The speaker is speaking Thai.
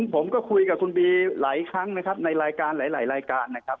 ผมก็คุยกับคุณบีหลายครั้งในหลายรายการนะครับ